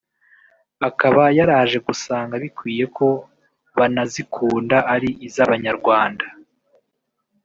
akaba yaraje gusanga bikwiye ko banazikunda ari iz’abanyarwanda